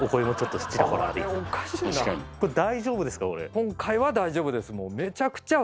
今回は大丈夫です！